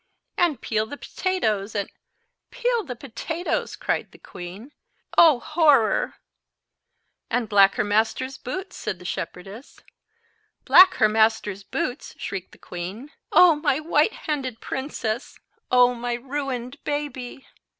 "And peel the potatoes, and"— "Peel the potatoes!" cried the queen. "Oh, horror!" "And black her master's boots," said the shepherdess. "Black her master's boots!" shrieked the queen. "Oh, my white handed princess! Oh, my ruined baby!"